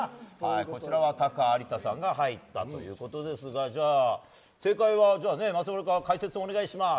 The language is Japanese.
こちらはタカ、有田さんが入ったということですが正解は、松丸君解説をお願いします。